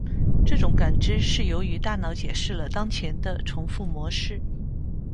这种感知是由于大脑解释了当前的重复模式。